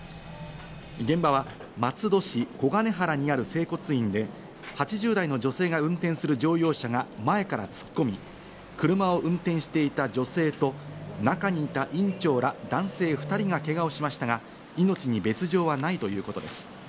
現場は松戸市小金原にある整骨院で８０代の女性が運転する乗用車が前から突っ込み、車を運転していた女性と、中にいた院長ら男性２人がけがをしましたが命に別条はないということです。